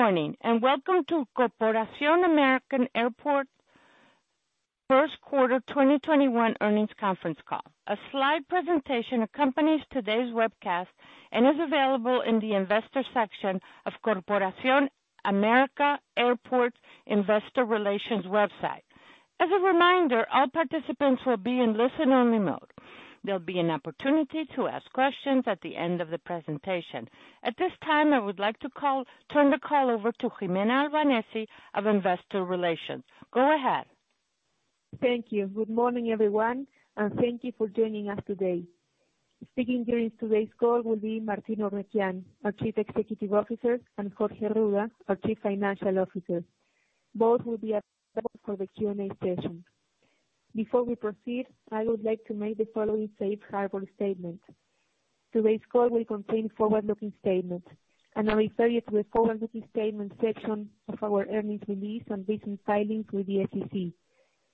Good morning, welcome to Corporación América Airports first quarter 2021 earnings conference call. A slide presentation accompanies today's webcast and is available in the Investors section of Corporación América Airports Investor Relations website. As a reminder, all participants will be in listen-only mode. There'll be an opportunity to ask questions at the end of the presentation. At this time, I would like to turn the call over to Gimena Albanesi of Investor Relations. Go ahead. Thank you. Good morning, everyone, and thank you for joining us today. Speaking during today's call will be Martín Eurnekian, our Chief Executive Officer, and Jorge Arruda, our Chief Financial Officer. Both will be available for the Q&A session. Before we proceed, I would like to make the following safe harbor statement. Today's call will contain forward-looking statements, and I refer you to the forward-looking statements section of our earnings release and recent filings with the SEC.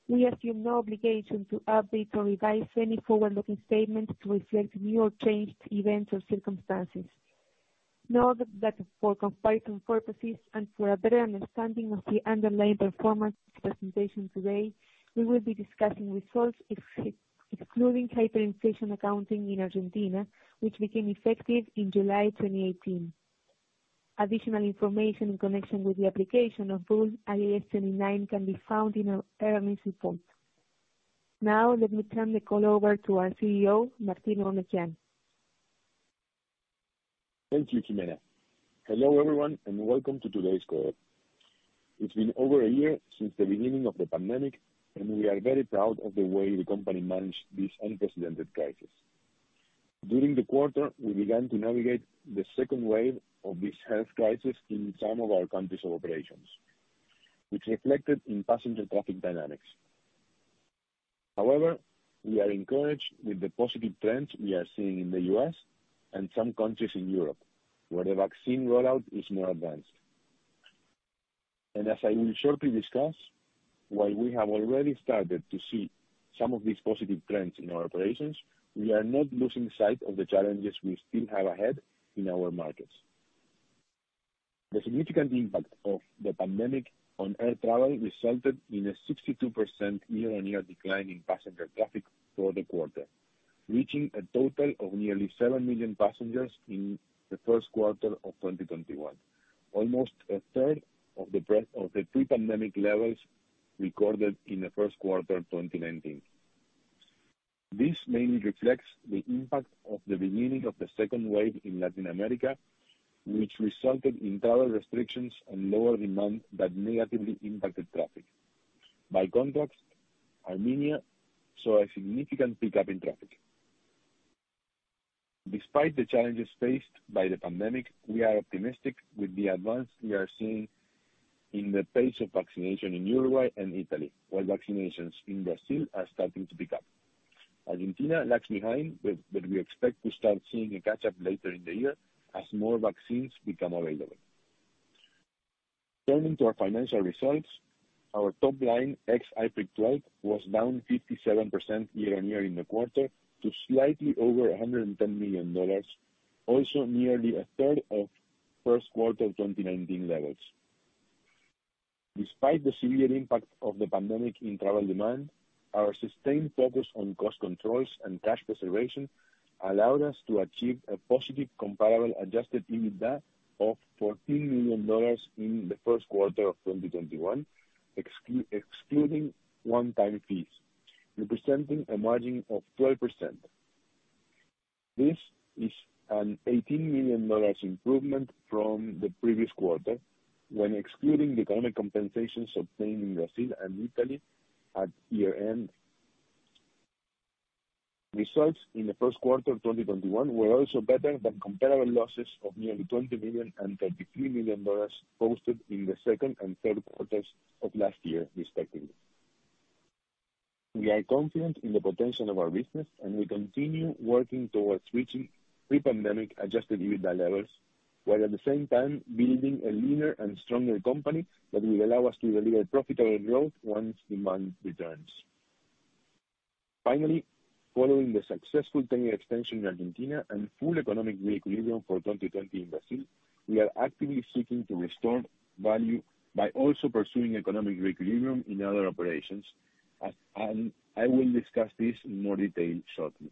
We assume no obligation to update or revise any forward-looking statements to reflect new or changed events or circumstances. Note that for comparison purposes and for a better understanding of the underlying performance presentation today, we will be discussing results excluding hyperinflation accounting in Argentina, which became effective in July 2018. Additional information in connection with the application of Rule IAS 29 can be found in our earnings report. Now, let me turn the call over to our CEO, Martín Eurnekian. Thank you, Gimena. Hello, everyone, and welcome to today's call. It's been over a year since the beginning of the pandemic, and we are very proud of the way the company managed this unprecedented crisis. During the quarter, we began to navigate the second wave of this health crisis in some of our countries of operations, which reflected in passenger traffic dynamics. However, we are encouraged with the positive trends we are seeing in the U.S. and some countries in Europe, where the vaccine rollout is more advanced. As I will shortly discuss, while we have already started to see some of these positive trends in our operations, we are not losing sight of the challenges we still have ahead in our markets. The significant impact of the pandemic on air travel resulted in a 62% year-on-year decline in passenger traffic for the quarter, reaching a total of nearly 7 million passengers in the first quarter of 2021, almost a third of the pre-pandemic levels recorded in the first quarter of 2019. This mainly reflects the impact of the beginning of the second wave in Latin America, which resulted in travel restrictions and lower demand that negatively impacted traffic. By contrast, Armenia saw a significant pickup in traffic. Despite the challenges faced by the pandemic, we are optimistic with the advance we are seeing in the pace of vaccination in Uruguay and Italy, while vaccinations in Brazil are starting to pick up. Argentina lags behind. We expect to start seeing a catch-up later in the year as more vaccines become available. Turning to our financial results, our top line ex-IFRIC 12 was down 57% year-on-year in the quarter to slightly over $110 million, also nearly a third of first quarter 2019 levels. Despite the severe impact of the pandemic in travel demand, our sustained focus on cost controls and cash preservation allowed us to achieve a positive comparable adjusted EBITDA of $14 million in the first quarter of 2021, excluding one-time fees, representing a margin of 12%. This is an $18 million improvement from the previous quarter, when excluding the economic compensations obtained in Brazil and Italy at year-end. Results in the first quarter 2021 were also better than comparable losses of nearly $20 million and $33 million posted in the second and third quarters of last year, respectively. We are confident in the potential of our business, and we continue working towards reaching pre-pandemic adjusted EBITDA levels, while at the same time building a leaner and stronger company that will allow us to deliver profitable growth once demand returns. Following the successful tenure extension in Argentina and full economic re-equilibrium for 2020 in Brazil, we are actively seeking to restore value by also pursuing economic re-equilibrium in other operations, and I will discuss this in more detail shortly.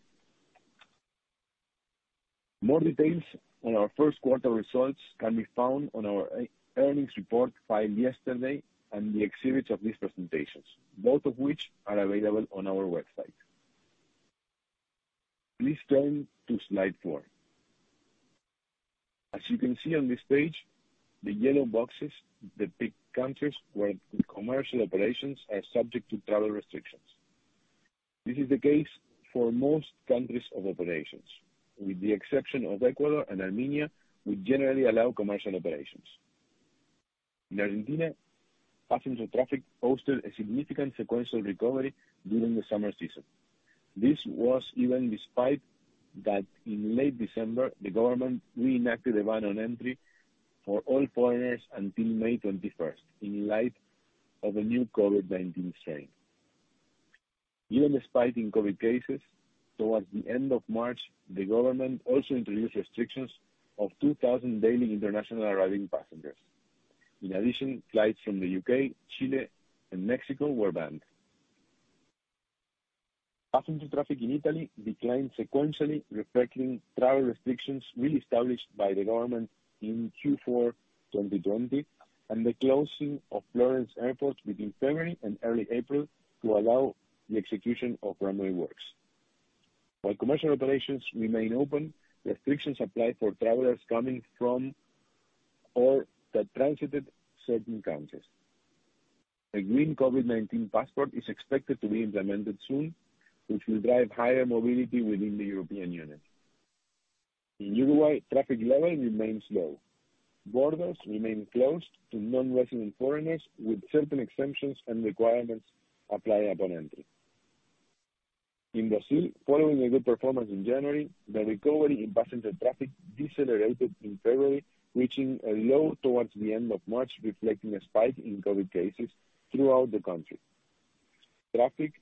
More details on our first quarter results can be found on our earnings report filed yesterday and the exhibits of these presentations, both of which are available on our website. Please turn to slide four. As you can see on this page, the yellow boxes depict countries where commercial operations are subject to travel restrictions. This is the case for most countries of operations, with the exception of Ecuador and Armenia, who generally allow commercial operations. In Argentina, passenger traffic posted a significant sequential recovery during the summer season. This was even despite that in late December, the government reenacted a ban on entry for all foreigners until May 21st in light of a new COVID-19 strain. Given the spike in COVID cases towards the end of March, the government also introduced restrictions of 2,000 daily international arriving passengers. Flights from the U.K., Chile, and Mexico were banned. Passenger traffic in Italy declined sequentially, reflecting travel restrictions re-established by the government in Q4 2020 and the closing of Florence Airport between February and early April to allow the execution of runway works. While commercial operations remain open, restrictions apply for travelers coming from or that transited certain countries. A green COVID-19 passport is expected to be implemented soon, which will drive higher mobility within the European Union. In Uruguay, traffic level remains low. Borders remain closed to non-resident foreigners, with certain exceptions and requirements applied upon entry. In Brazil, following a good performance in January, the recovery in passenger traffic decelerated in February, reaching a low towards the end of March, reflecting a spike in COVID cases throughout the country. Traffic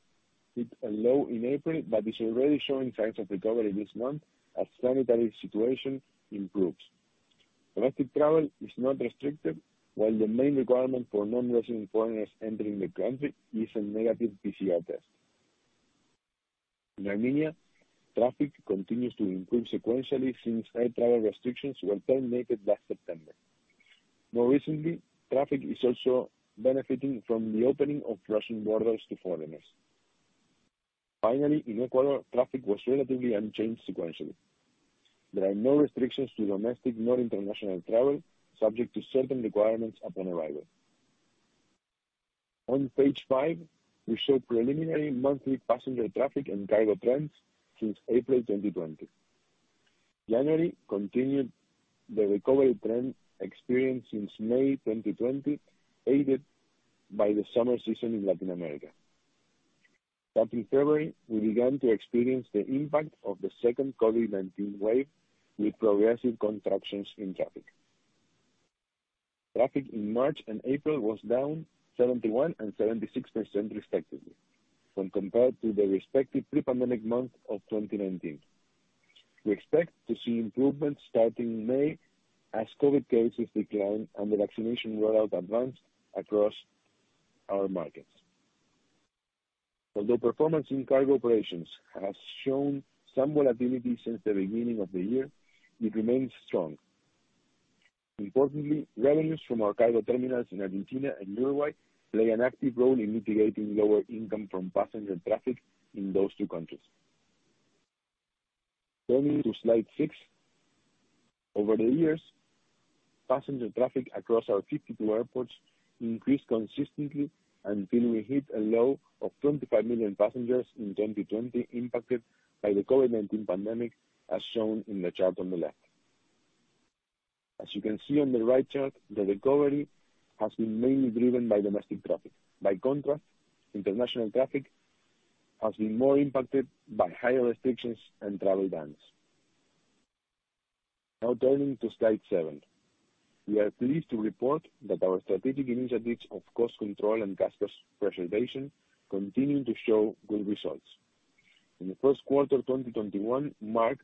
hit a low in April but is already showing signs of recovery this month as the sanitary situation improves. Domestic travel is not restricted. While the main requirement for non-resident foreigners entering the country is a negative PCR test. In Armenia, traffic continues to improve sequentially since air travel restrictions were terminated last September. More recently, traffic is also benefiting from the opening of Russian borders to foreigners. Finally, in Ecuador, traffic was relatively unchanged sequentially. There are no restrictions to domestic nor international travel, subject to certain requirements upon arrival. On page five, we show preliminary monthly passenger traffic and cargo trends since April 2020. January continued the recovery trend experienced since May 2020, aided by the summer season in Latin America. In February, we began to experience the impact of the second COVID-19 wave, with progressive contractions in traffic. Traffic in March and April was down 71% and 76%, respectively, when compared to the respective pre-pandemic month of 2019. We expect to see improvements starting May, as COVID-19 cases decline and the vaccination rollout advances across our markets. Although performance in cargo operations has shown some volatility since the beginning of the year, it remains strong. Importantly, revenues from our cargo terminals in Argentina and Uruguay play an active role in mitigating lower income from passenger traffic in those two countries. Turning to slide six. Over the years, passenger traffic across our 52 airports increased consistently until we hit a low of 25 million passengers in 2020, impacted by the COVID-19 pandemic, as shown in the chart on the left. As you can see on the right chart, the recovery has been mainly driven by domestic traffic. By contrast, international traffic has been more impacted by higher restrictions and travel bans. Turning to slide seven. We are pleased to report that our strategic initiatives of cost control and cash preservation continue to show good results, and the first quarter of 2021 marked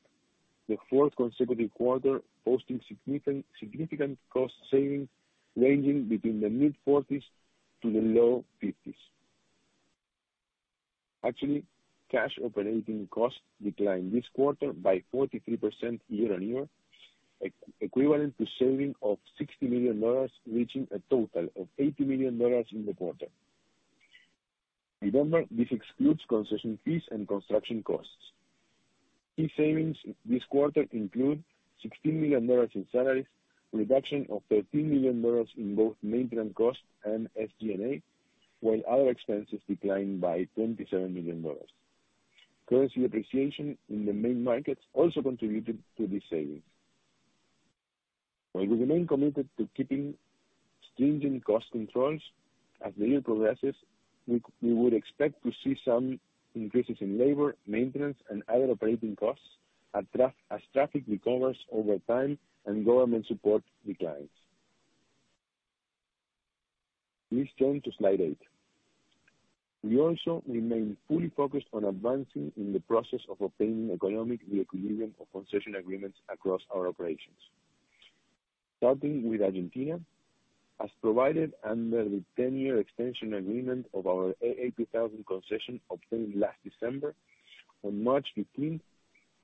the fourth consecutive quarter posting significant cost savings ranging between the mid-40s to the low 50s. Actually, cash operating costs declined this quarter by 43% year-on-year, equivalent to a saving of $60 million, reaching a total of $80 million in the quarter. Remember, this excludes concession fees and construction costs. Key savings this quarter include $16 million in salaries, reduction of $13 million in both maintenance costs and SG&A, while our expenses declined by $27 million. Currency appreciation in the main markets also contributed to this saving. While we remain committed to keeping stringent cost controls, as the year progresses, we would expect to see some increases in labor, maintenance, and other operating costs as traffic recovers over time and government support declines. Please turn to slide eight. We also remain fully focused on advancing in the process of obtaining economic re-equilibrium of concession agreements across our operations. Starting with Argentina, as provided under the 10-year extension agreement of our AA2000 concession obtained last December, on March 15,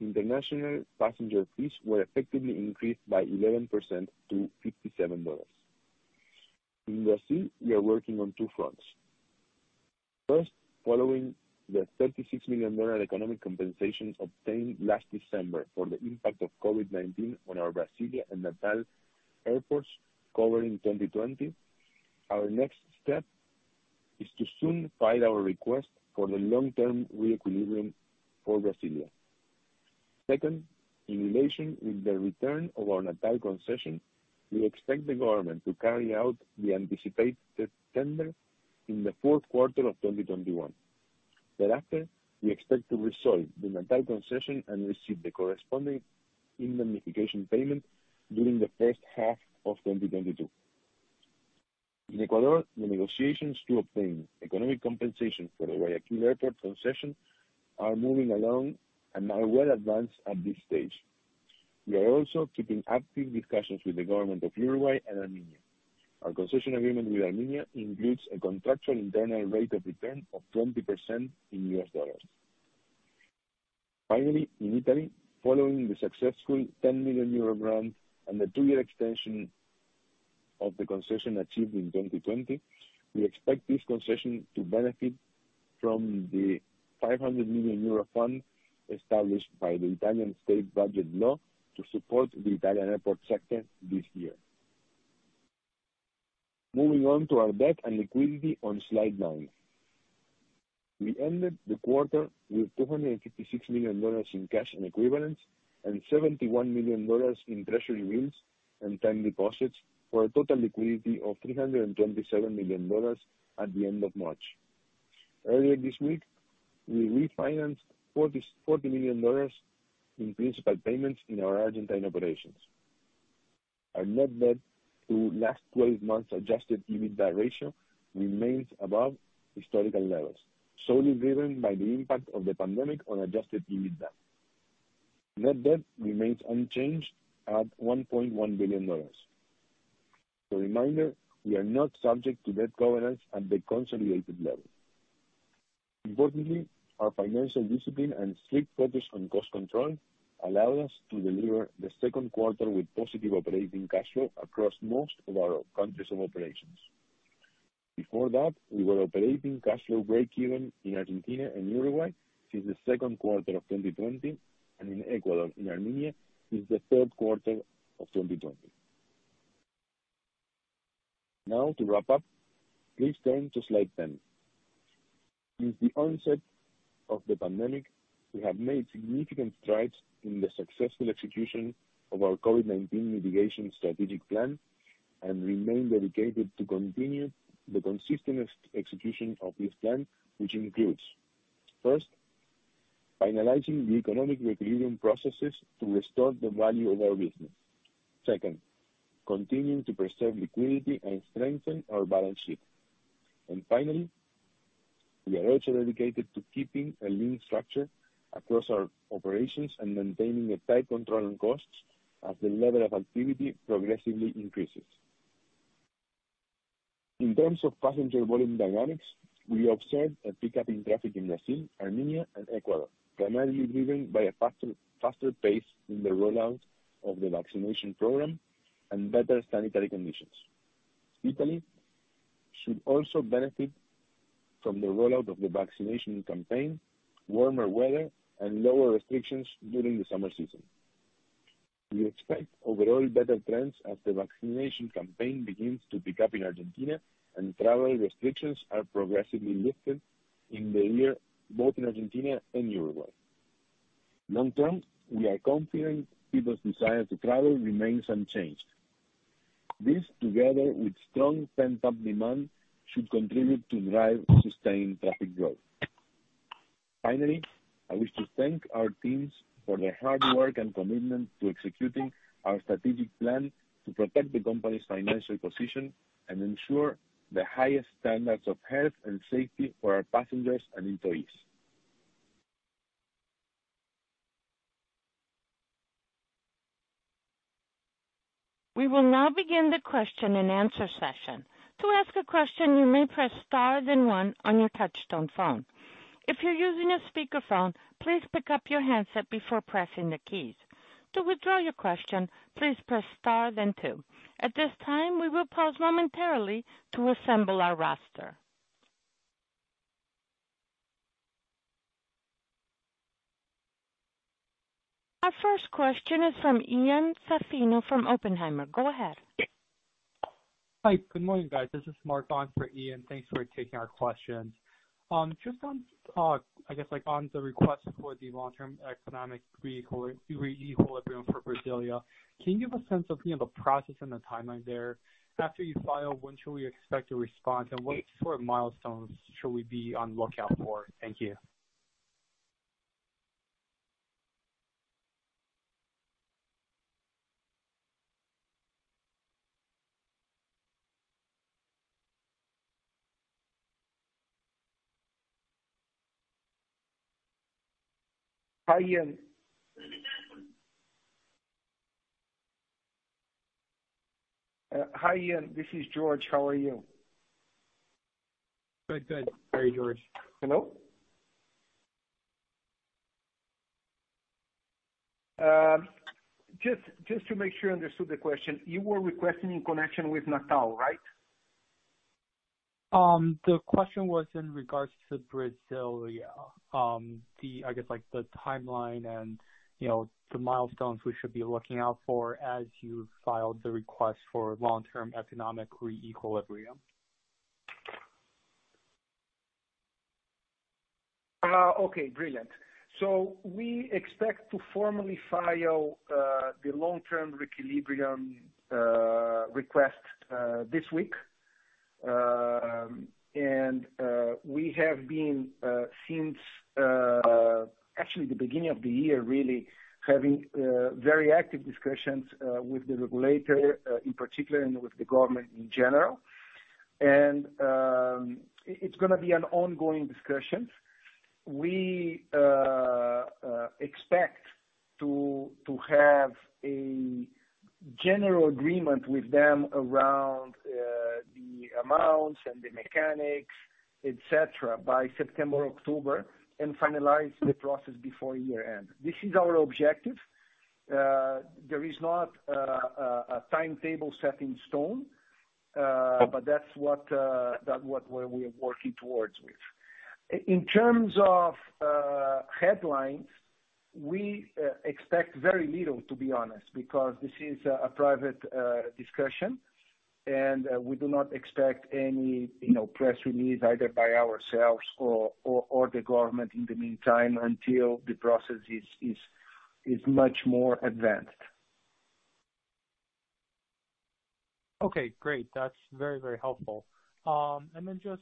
international passenger fees were effectively increased by 11% to $57. In Brazil, we are working on two fronts. First, following the $36 million economic compensation obtained last December for the impact of COVID-19 on our Brasilia Airport and Natal Airports covering 2020, our next step is to soon file our request for the long-term re-equilibrium for Brasilia. Second, in relation with the return of our Natal concession, we expect the government to carry out the anticipated tender in the fourth quarter of 2021. Thereafter, we expect to resolve the Natal concession and receive the corresponding indemnification payment during the first half of 2022. In Ecuador, the negotiations to obtain economic compensation for the Guayaquil Airport concession are moving along and are well advanced at this stage. We are also keeping active discussions with the government of Uruguay and Armenia. Our concession agreement with Armenia includes a contractual internal rate of return of 20% in U.S. dollars. Finally, in Italy, following the successful 10 million euro grant and the two-year extension of the concession achieved in 2020, we expect this concession to benefit from the 500 million euro fund established by the Italian state budget law to support the Italian airport sector this year. Moving on to our debt and liquidity on slide nine. We ended the quarter with $256 million in cash and equivalents and $71 million in treasury bills and time deposits, for a total liquidity of $327 million at the end of March. Earlier this week, we refinanced $40 million in principal payments in our Argentine operations. Our net debt to last 12 months adjusted EBITDA ratio remains above historical levels, solely driven by the impact of the pandemic on adjusted EBITDA. Net debt remains unchanged at $1.1 billion. A reminder, we are not subject to debt covenants at the consolidated level. Importantly, our financial discipline and strict focus on cost control allowed us to deliver the second quarter with positive operating cash flow across most of our countries of operations. Before that, we were operating cash flow breakeven in Argentina and Uruguay since the second quarter of 2020, and in Ecuador and Armenia since the third quarter of 2020. Now to wrap up, please turn to slide 10. Since the onset of the pandemic, we have made significant strides in the successful execution of our COVID-19 mitigation strategic plan and remain dedicated to continue the consistent execution of this plan, which includes, first, finalizing the economic re-equilibrium processes to restore the value of our business. Second, continuing to preserve liquidity and strengthen our balance sheet. Finally, we are also dedicated to keeping a lean structure across our operations and maintaining a tight control on costs as the level of activity progressively increases. In terms of passenger volume dynamics, we observed a pickup in traffic in Brazil, Armenia, and Ecuador, primarily driven by a faster pace in the rollout of the vaccination program and better sanitary conditions. Italy should also benefit from the rollout of the vaccination campaign, warmer weather, and lower restrictions during the summer season. We expect overall better trends as the vaccination campaign begins to pick up in Argentina and travel restrictions are progressively lifted in the year, both in Argentina and Uruguay. Long term, we are confident people's desire to travel remains unchanged. This, together with strong pent-up demand, should contribute to drive sustained traffic growth. Finally, I wish to thank our teams for their hard work and commitment to executing our strategic plan to protect the company's financial position and ensure the highest standards of health and safety for our passengers and employees. We will now begin the question and answer session. Our first question is from Ian Zaffino from Oppenheimer. Go ahead. Hi. Good morning, guys. This is Mark on for Ian. Thanks for taking our questions. Just on the request for the long-term economic re-equilibrium for Brasilia, can you give a sense of the process and the timeline there? After you file, when should we expect a response, and what sort of milestones should we be on lookout for? Thank you. Hi, Ian. This is Jorge. How are you? Good. How are you, Jorge? Hello. Just to make sure I understood the question, you were requesting in connection with Natal, right? The question was in regards to Brasilia. I guess, the timeline and the milestones we should be looking out for as you filed the request for long-term economic re-equilibrium. Okay, brilliant. We expect to formally file the long-term re-equilibrium request this week. We have been, since actually the beginning of the year, really, having very active discussions with the regulator, in particular, and with the government in general. It's going to be an ongoing discussion. We expect to have a general agreement with them around the amounts and the mechanics, et cetera, by September or October, and finalize the process before year-end. This is our objective. There is not a timetable set in stone, but that's what we're working towards with. In terms of headlines, we expect very little, to be honest, because this is a private discussion, and we do not expect any press release either by ourselves or the government in the meantime until the process is much more advanced. Okay, great. That's very helpful. Then just,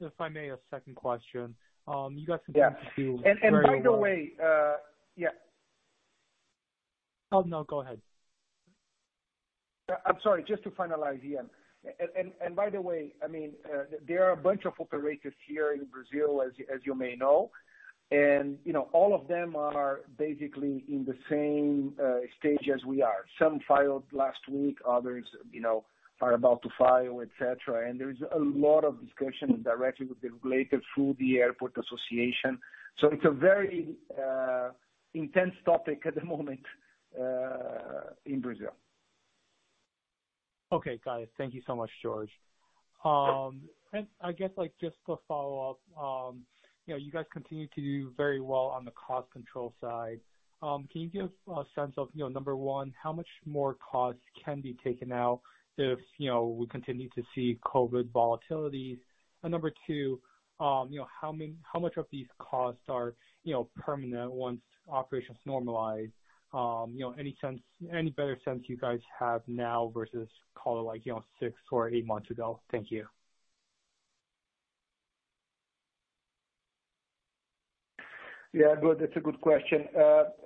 if I may, a second question. Yeah. Very aware. By the way Yeah. Oh, no, go ahead. I'm sorry, just to finalize, [Mark]. By the way, there are a bunch of operators here in Brazil, as you may know. All of them are basically in the same stage as we are. Some filed last week, others are about to file, et cetera, and there is a lot of discussion directly with the regulators through the Airport Association. It's a very intense topic at the moment in Brazil. Okay, got it. Thank you so much, Jorge. I guess just for follow-up, you guys continue to do very well on the cost control side. Can you give a sense of, number one, how much more cost can be taken out if we continue to see COVID volatility? Number two, how much of these costs are permanent once operations normalize? Any better sense you guys have now versus call it six or eight months ago? Thank you. Yeah, good. That's a good question.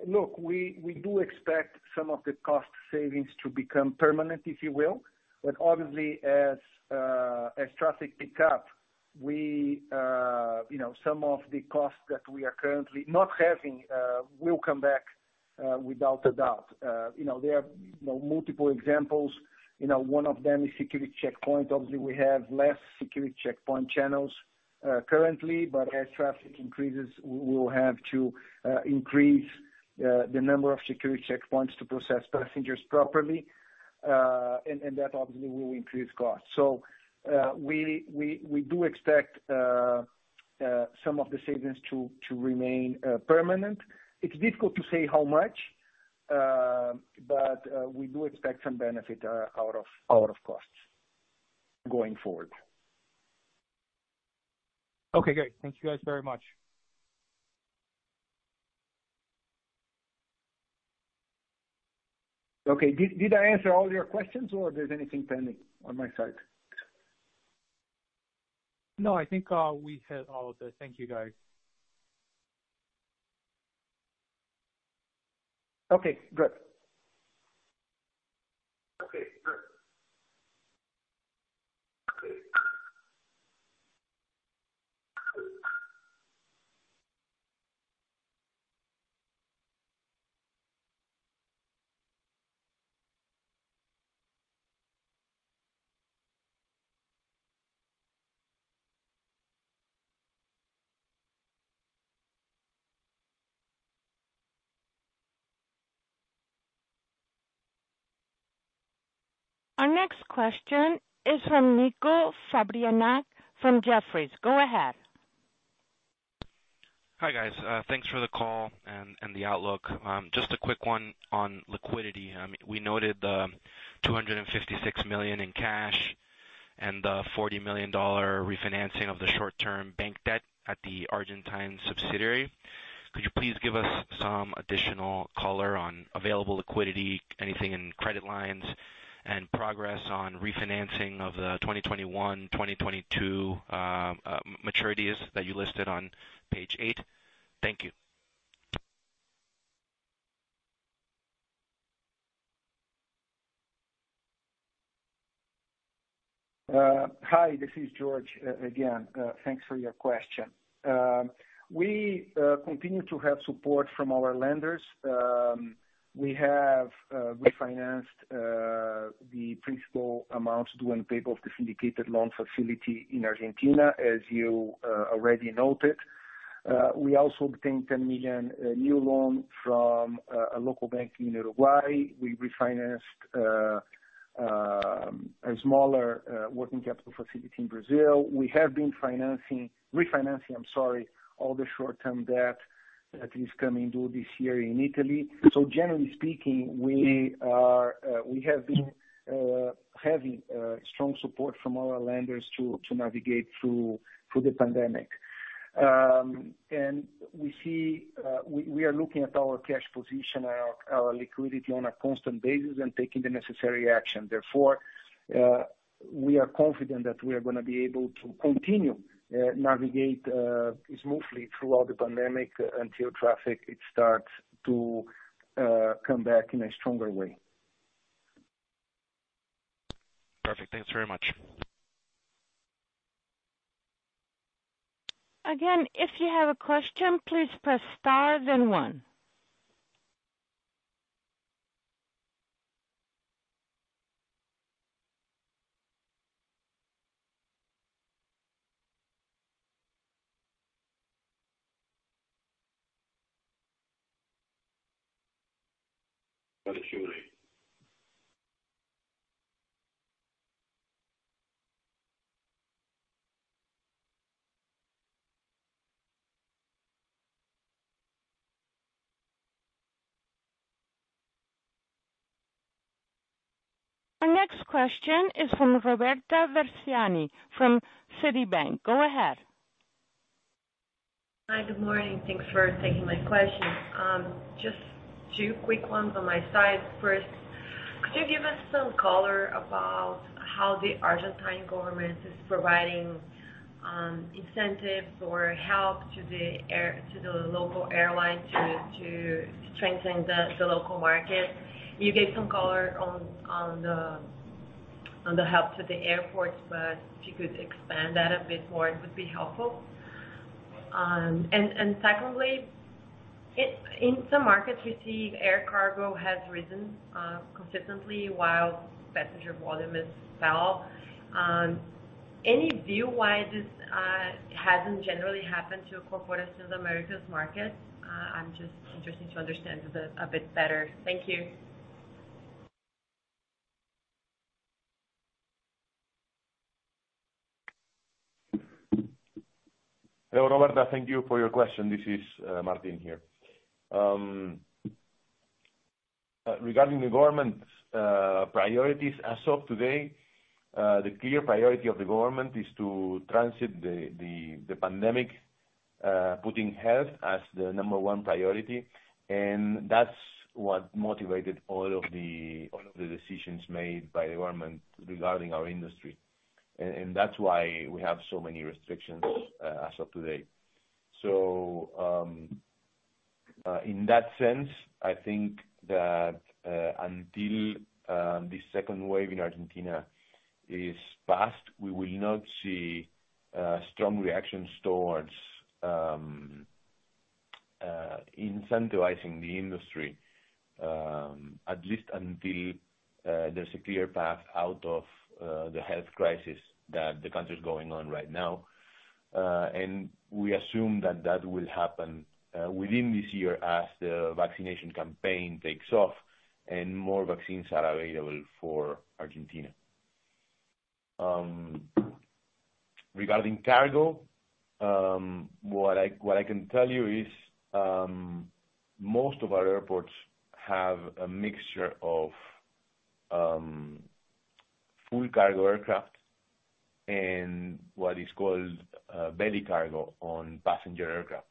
Look, we do expect some of the cost savings to become permanent, if you will. Obviously, as traffic picks up, some of the costs that we are currently not having will come back, without a doubt. There are multiple examples. One of them is security checkpoints. Obviously, we have less security checkpoint channels currently, but as traffic increases, we will have to increase the number of security checkpoints to process passengers properly, and that obviously will increase costs. We do expect some of the savings to remain permanent. It's difficult to say how much, but we do expect some benefit out of costs going forward. Okay, great. Thank you guys very much. Okay. Did I answer all your questions, or there's anything pending on my side? No, I think we hit all of it. Thank you, guys. Okay, great. Our next question is from Nico Fabiancic from Jefferies. Go ahead. Hi, guys. Thanks for the call and the outlook. Just a quick one on liquidity. We noted the $256 million in cash and the $40 million refinancing of the short-term bank debt at the Argentine subsidiary. Could you please give us some additional color on available liquidity, anything in credit lines, and progress on refinancing of the 2021, 2022 maturities that you listed on page eight? Thank you. Hi, this is Jorge Arruda again. Thanks for your question. We continue to have support from our lenders. We have refinanced the principal amount due and payable of the syndicated loan facility in Argentina, as you already noted. We also obtained $10 million new loan from a local bank in Uruguay. We refinanced a smaller working capital facility in Brazil. We have been refinancing all the short-term debt that is coming due this year in Italy. Generally speaking, we have been having strong support from our lenders to navigate through the pandemic. We are looking at our cash position, our liquidity on a constant basis and taking the necessary action. Therefore, we are confident that we are going to be able to continue to navigate smoothly throughout the pandemic until traffic starts to come back in a stronger way. Perfect. Thanks very much. Our next question is from Roberta Versiani from Citibank. Go ahead. Hi. Good morning. Thanks for taking my question. Just two quick ones on my side. First, could you give us some color about how the Argentine government is providing incentives or help to the local airline to strengthen the local market? You gave some color on the help to the airports, but if you could expand that a bit more, it would be helpful. Secondly, in some markets, we see air cargo has risen consistently while passenger volume has fell. Any view why this hasn't generally happened to Corporación América's market? I'm just interested to understand this a bit better. Thank you. Hello, Roberta. Thank you for your question. This is Martín here. Regarding the government's priorities, as of today, the clear priority of the government is to transit the pandemic, putting health as the number one priority, and that's what motivated all of the decisions made by the government regarding our industry. That's why we have so many restrictions as of today. In that sense, I think that until this second wave in Argentina is past, we will not see strong reactions towards incentivizing the industry, at least until there's a clear path out of the health crisis that the country is going on right now. We assume that that will happen within this year as the vaccination campaign takes off and more vaccines are available for Argentina. Regarding cargo, what I can tell you is most of our airports have a mixture of full cargo aircraft and what is called belly cargo on passenger aircraft.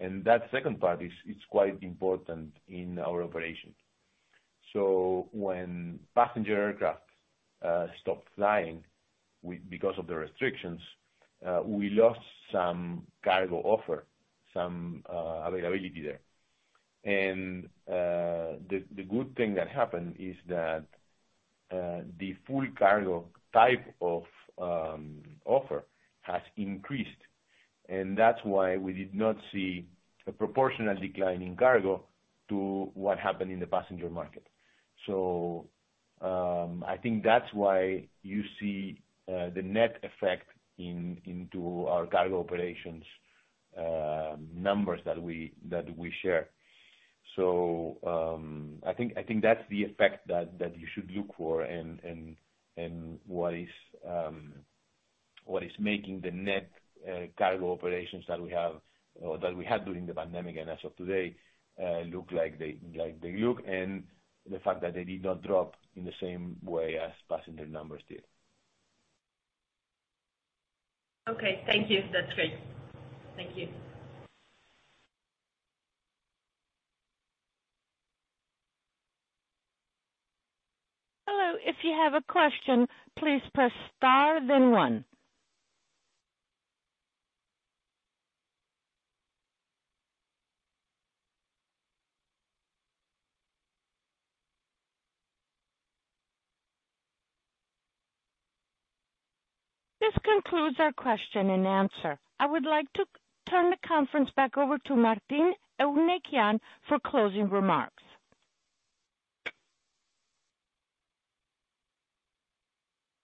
That second part is quite important in our operation. When passenger aircraft stopped flying because of the restrictions, we lost some cargo offer, some availability there. The good thing that happened is that the full cargo type of offer has increased, and that's why we did not see a proportional decline in cargo to what happened in the passenger market. I think that's why you see the net effect into our cargo operations numbers that we share. I think that's the effect that you should look for and what is making the net cargo operations that we had during the pandemic, and as of today, look like they look, and the fact that they did not drop in the same way as passenger numbers did. Okay. Thank you. That's great. Thank you. Hello. This concludes our question and answer. I would like to turn the conference back over to Martín Eurnekian for closing remarks.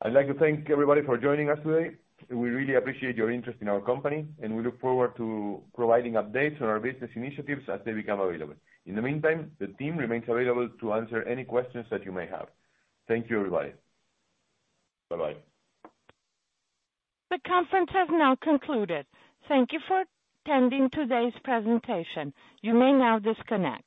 I'd like to thank everybody for joining us today. We really appreciate your interest in our company, and we look forward to providing updates on our business initiatives as they become available. In the meantime, the team remains available to answer any questions that you may have. Thank you, everybody. Bye-bye. The conference has now concluded. Thank you for attending today's presentation. You may now disconnect.